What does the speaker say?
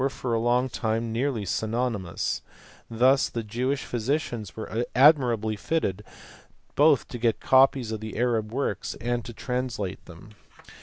for a long time nearly synonymous ; thus the Jewish physicians were admirably fitted both to get copies of the Arab works and to translate them.